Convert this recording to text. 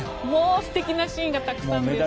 もう素敵なシーンがたくさんで。